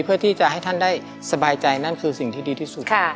เพื่อที่จะให้ท่านได้สบายใจนั่นคือสิ่งที่ดีที่สุด